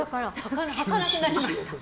履かなくなりました。